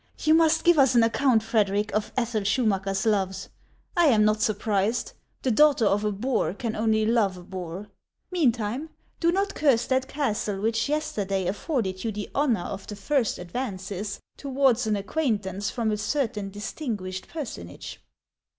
'; You must give us an account, Frederic, of Ethel Schumacker's loves. I am not surprised ; the daughter of a boor can only love a boor. Meantime, do not curse that castle which yesterday afforded you the honor of the first advances towards an acquaintance, from a certain dis tinguished personage."